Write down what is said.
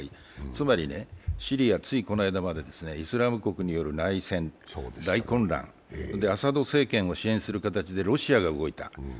つまり、シリアついこの間までイスラム国による内戦、内乱、大混乱だったんですがアサド政権を支援する形でロシアが動いた。